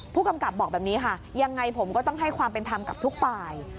ผู้กำกับบอกแบบนี้ค่ะยังไงผมก็ต้องให้ความเป็นธรรมกับทุกฝ่าย